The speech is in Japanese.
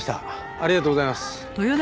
ありがとうございます。